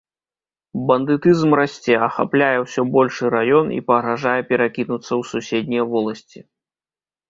Бандытызм расце, ахапляе ўсё большы раён і пагражае перакінуцца ў суседнія воласці.